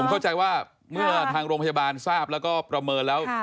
เข้าใจว่าเมื่อทางโรงพยาบาลทราบแล้วก็ประเมินแล้ว